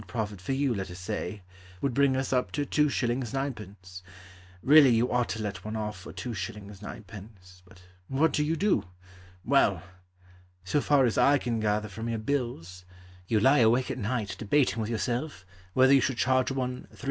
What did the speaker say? profit for you, let us say, Would bring us up to 2s. 9d. Really you ought to let one off for 2s. 9d., But what do you do? Well, So far as I can gather from your bills, You lie awake at night Debating with yourself Whether you should charge one 3s.